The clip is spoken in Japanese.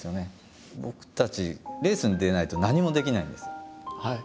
僕たちレースに出れないと何もできないんです。